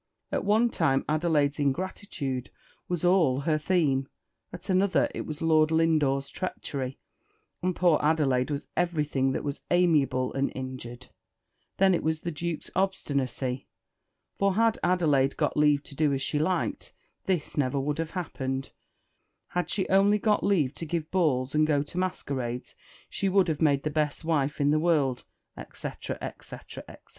At one time Adelaide's ingratitude was all her theme: at another, it was Lord Lindore's treachery, and poor Adelaide was everything that was amiable and injured: then it was the Duke's obstinacy; for, had Adelaide got leave to do as she liked, this never would have happened; had she only got leave to give balls, and to go to masquerades, she would have made the best wife in the world, etc. etc. etc.